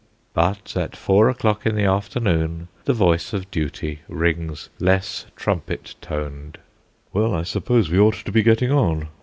But at four o'clock in the afternoon the voice of Duty rings less trumpet toned: "Well, I suppose we ought to be getting on."